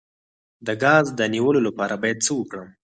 د ګاز د نیولو لپاره باید څه وکړم؟